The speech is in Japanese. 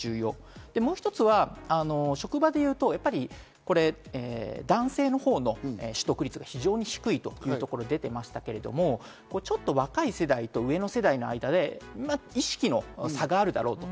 もう一つは職場でいうと、男性のほうの取得率が非常に低いというところ出てましたけど、ちょっと若い世代と上の世代で意識の差があるだろうと。